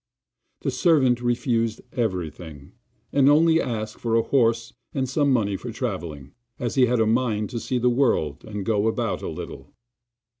The servant refused everything, and only asked for a horse and some money for travelling, as he had a mind to see the world and go about a little.